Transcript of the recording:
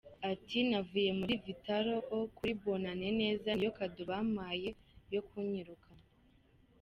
Ati “Navuye muri Vitalo’o kuri Bonane neza, niyo kado bampaye yo kunyirukana.